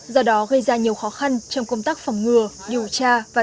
do đó gây ra nhiều khó khăn trong công tác phòng ngừa điều tra và